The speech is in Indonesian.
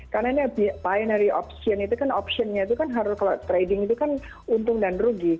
karena ini binary option itu kan optionnya itu kan harus kalau trading itu kan untung dan rugi